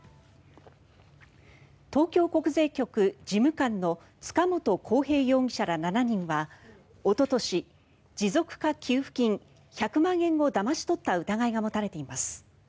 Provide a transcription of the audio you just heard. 東京国税局事務官の塚本晃平容疑者ら７人はおととし持続化給付金１００万円をだまし取った疑いが持たれています。